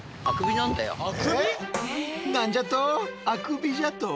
あくびなんだよ。